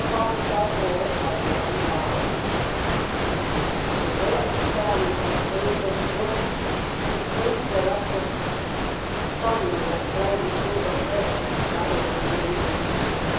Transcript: IN ENGLISH FRINGFORD BROOK The willows stand by Fringford brook, From Fringford up to Hethe, Sun on their cloudy silver heads, And shadow underneath.